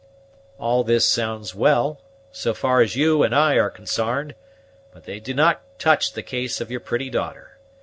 "All this sounds well, so far as you and I are consarned; but they do not touch the case of your pretty daughter.